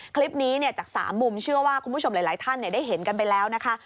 คลิปนี้จาก๓มุมเชื่อว่าคุณผู้ชมหลายท่านได้เห็นกันไปแล้วนะคะ